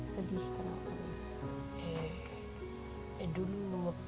sedih karena apa